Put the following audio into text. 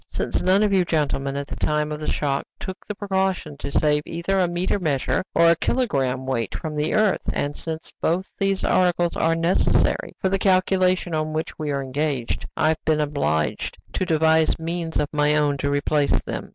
"Since none of you gentlemen, at the time of the shock, took the precaution to save either a meter measure or a kilogramme weight from the earth, and since both these articles are necessary for the calculation on which we are engaged, I have been obliged to devise means of my own to replace them."